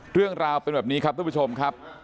เรื่องราวเป็นแบบนี้ครับทุกผู้ชมครับ